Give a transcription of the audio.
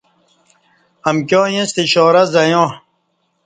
امکیاں ییںستہ اشارہ زعیاں